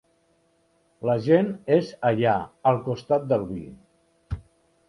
La gent és allà, al costat del vi.